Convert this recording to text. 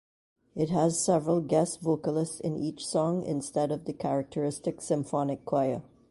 It has several guest vocalists in each song instead of the characteristic symphonic choir.